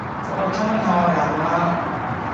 สำหรับฉันมันธรรมดามาก